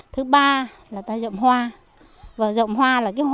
thứ ba là rậm hoa rậm hoa là hoa gió